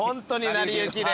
なりゆきで？